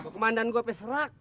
kemandan gue peserak